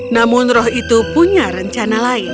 namun roh itu punya rencana lain